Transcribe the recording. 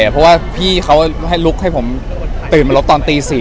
เพราะว่าพี่เขาให้ลุกให้ผมตื่นมาลบตอนตี๔